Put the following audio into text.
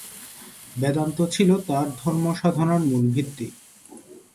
বেদান্ত ছিল তার ধর্ম সাধনার মূল ভিত্তি।